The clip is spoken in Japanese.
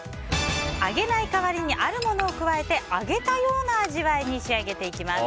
揚げない代わりにあるものを加えて揚げたような味わいに仕上げていきます。